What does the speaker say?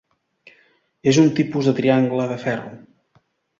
És un tipus de triangle de ferro.